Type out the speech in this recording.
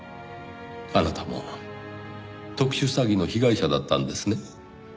あなたも特殊詐欺の被害者だったんですね。